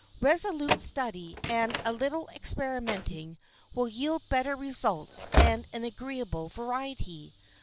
Resolute study and a little experimenting will yield better results and an agreeable variety.